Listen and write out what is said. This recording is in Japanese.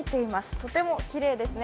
とてもきれいですね。